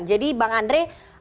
jadi bang andre